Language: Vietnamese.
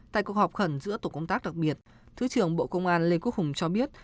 tại cuộc họp khẩn giữa tổ công tác đặc biệt thứ trưởng bộ công an lê quốc hùng cho biết